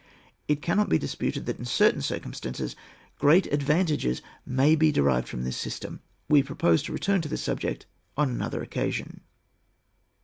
It cannot be disputed that in certain circumstances, great advantages may be derived from this system. We propose to return to the subject on another occasion.